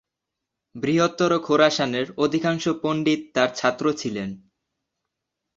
বৃহত্তর খোরাসানের অধিকাংশ পণ্ডিত তার ছাত্র ছিলেন।